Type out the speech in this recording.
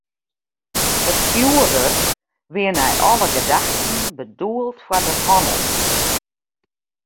It fjoerwurk wie nei alle gedachten bedoeld foar de hannel.